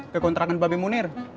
ke kontrakan babi mohon